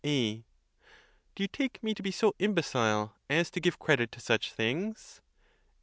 A. Do you take me to be so imbecile as to give credit to such things?